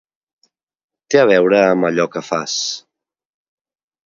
Té a veure amb allò que fas.